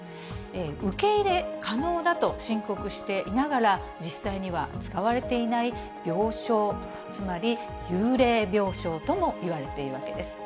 受け入れ可能だと申告していながら、実際には使われていない病床、つまり幽霊病床ともいわれているわけです。